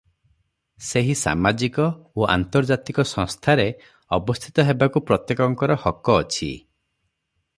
ସେହି ସାମାଜିକ ଓ ଆନ୍ତର୍ଜାତିକ ସଂସ୍ଥାରେ ଅବସ୍ଥିତ ହେବାକୁ ପ୍ରତ୍ୟେକଙ୍କର ହକ ଅଛି ।